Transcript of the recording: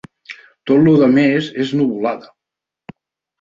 Tot lo demés és nuvolada